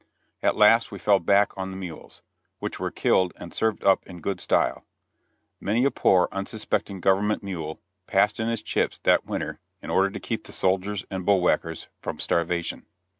At last we fell back on the mules, which were killed and served up in good style. Many a poor, unsuspecting government mule passed in his chips that winter in order to keep the soldiers and bull whackers from starvation.